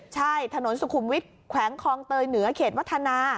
ใช่ถนนสุขุมวิทย์แขวงคลองเตยเหนือเขตวัฒนา